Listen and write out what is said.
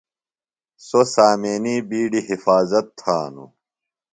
سوۡ سامینی بِیڈی حفاظت تھاُوۡ۔